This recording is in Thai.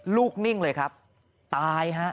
นิ่งเลยครับตายฮะ